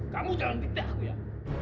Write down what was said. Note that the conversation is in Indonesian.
kamu jangan pindah ya